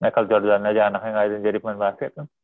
kalau jordan aja anaknya gak ada yang jadi pemain basket